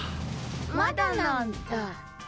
まだなんだ。